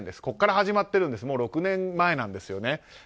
ここから始まっているのでもう６年前なんですよね。